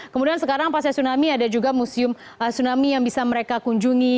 kemudian sekarang pasca tsunami ada juga museum tsunami yang bisa mereka kunjungi